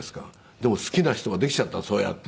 でも好きな人ができちゃったのそうやって。